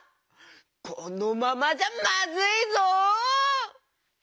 このままじゃまずいぞ！